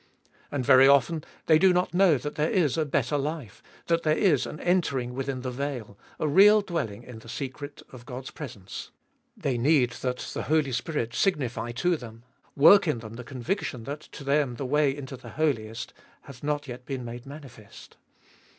And very often they do not know that there is a better life, that there is an entering within the veil, a real dwelling in the secret of God's presence ; the need that the Holy Spirit signify to them, work in them the conviction that to them the way into the Holiest hath not yet been made manifest.